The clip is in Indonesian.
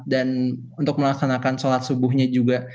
dan untuk melaksanakan sholat subuhnya juga